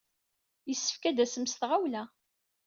Yessefk ad d-tasem s tɣawla.